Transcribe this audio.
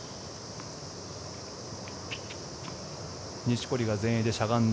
錦織が前衛でしゃがんだ。